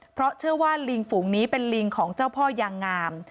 เพราะเชื่อว่าลิงฝูงนี้เป็นลิงของเจ้าพ่อยางงาม